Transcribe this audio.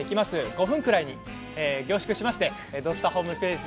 ５分くらいに凝縮しまして「土スタ」ホームページ